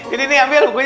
ini nih ambil bukunya